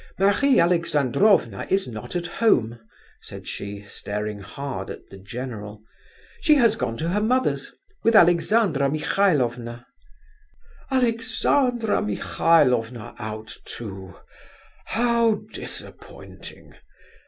"Marie Alexandrovna is not at home," said she, staring hard at the general. "She has gone to her mother's, with Alexandra Michailovna." "Alexandra Michailovna out, too! How disappointing!